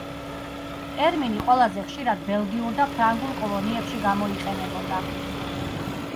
ტერმინი ყველაზე ხშირად ბელგიურ და ფრანგულ კოლონიებში გამოიყენებოდა.